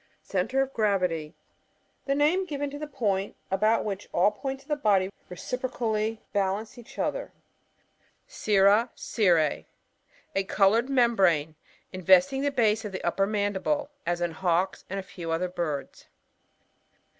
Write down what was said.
Centre op gravity. — The name given to the point about which all points of a bi»dy reciprocally bal* ance each other. dbyGoOgk 114 ORNITHOLOGY:— GLOSSARY. iA coloured membrane in vesting the base of the upper mandible : as in Hawks, and a few other birds.